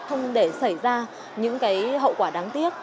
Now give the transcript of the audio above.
không để xảy ra những hậu quả đáng tiếc